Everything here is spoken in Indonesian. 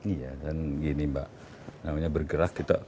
iya dan gini mbak namanya bergerak kita